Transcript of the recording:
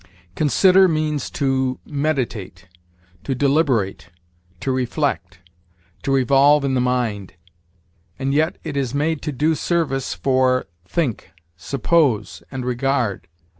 Consider means, to meditate, to deliberate, to reflect, to revolve in the mind; and yet it is made to do service for think, suppose, and regard.